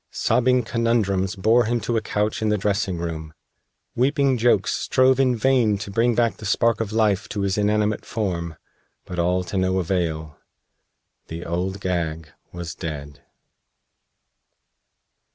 Sobbing Conundrums bore him to a couch in the dressing room. Weeping Jokes strove in vain to bring back the spark of life to his inanimate form. But all to no avail. The Old Gag was dead.